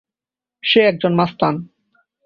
সে একজন মাস্তান।